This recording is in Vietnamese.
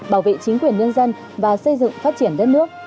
bảo vệ chính quyền nhân dân và xây dựng phát triển đất nước